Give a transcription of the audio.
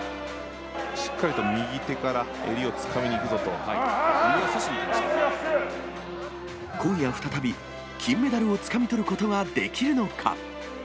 しっかりと右手から襟をつか今夜再び、金メダルをつかみ取ることはできるのか。